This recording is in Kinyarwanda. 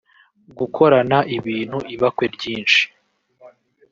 gukorana ibintu ibakwe ryinshi